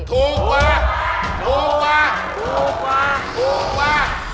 ถูกงว่า